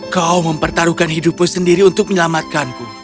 kau mempertaruhkan hidupku sendiri untuk menyelamatkanku